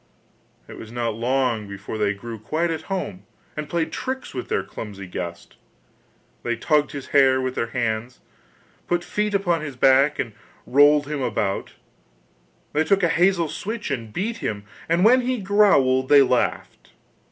It was not long before they grew quite at home, and played tricks with their clumsy guest. They tugged his hair with their hands, put their feet upon his back and rolled him about, or they took a hazel switch and beat him, and when he growled they laughed.